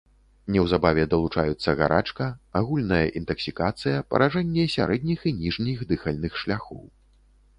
Неўзабаве далучаюцца гарачка, агульная інтаксікацыя, паражэнне сярэдніх і ніжніх дыхальных шляхоў.